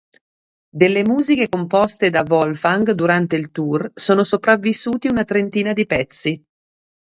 Delle musiche composte da Wolfgang durante il tour sono sopravvissuti una trentina di pezzi.